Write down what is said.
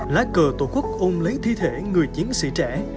lá cờ tổ quốc ôm lấy thi thể người chiến sĩ trẻ